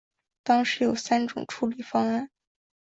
当时有三种处理方案。